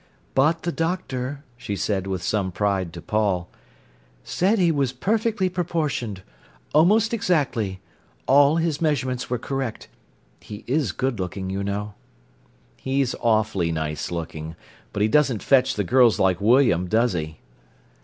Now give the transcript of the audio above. "But the doctor," she said with some pride to Paul, "said he was perfectly proportioned—almost exactly; all his measurements were correct. He is good looking, you know." "He's awfully nice looking. But he doesn't fetch the girls like William, does he?"